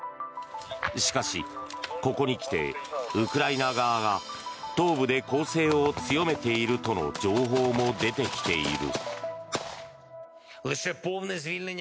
しかし、ここにきてウクライナ側が東部で攻勢を強めているとの情報も出てきている。